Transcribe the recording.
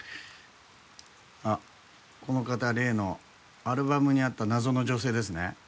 あっこの方例のアルバムにあった謎の女性ですね。